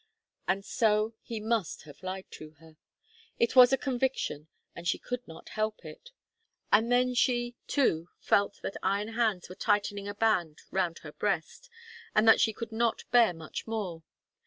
And so he must have lied to her. It was a conviction, and she could not help it. And then she, too, felt that iron hands were tightening a band round her breast, and that she could not bear much more.